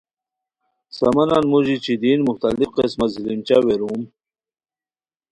سامانن موژی چیدین مختلف قسمہ زیلیمچہ ویروم